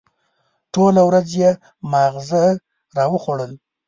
ټوله ورځ یې ماغزه را وخوړل.